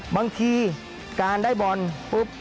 บางทีการได้บอลปุ๊บ